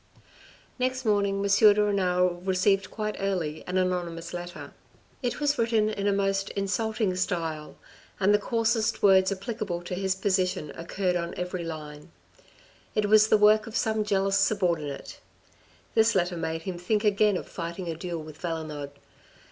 Next morning, M. de Renal received quite early an anony mous letter. It was written in a most insulting style, and the coarsest words applicable to his position occurred on every line. It was the work of some jealous subordinate. This letter made him think again of fighting a duel with Valenod.